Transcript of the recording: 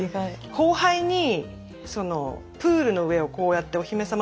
後輩にプールの上をこうやってお姫様